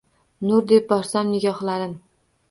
Nur deb borsam nigohlarning